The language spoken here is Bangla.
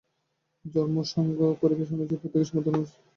জন্ম, সঙ্গ ও পরিবেশ অনুযায়ী প্রত্যেকের সাধন-প্রচেষ্টা নিরূপিত হয়।